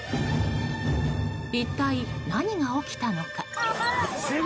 一体何が起きたのか。